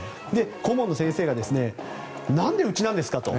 顧問の先生が何でうちなんですか？と。